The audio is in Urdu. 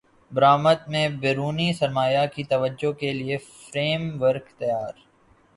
برامدات میں بیرونی سرمایہ کی توجہ کیلئے فریم ورک تیار